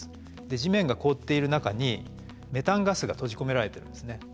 地面が凍っている中にメタンガスが閉じ込められてるんですね。